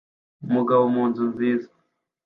Umugabo munzu nziza